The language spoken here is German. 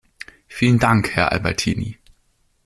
Vielen Dank, Herr Albertini.